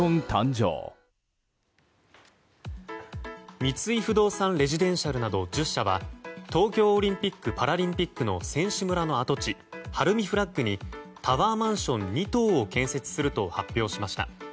三井不動産レジデンシャルなど１０社は東京オリンピック・パラリンピックの選手村の跡地ＨＡＲＵＭＩＦＬＡＧにタワーマンション２棟を建設すると発表しました。